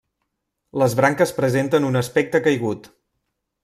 Les branques presenten un aspecte caigut.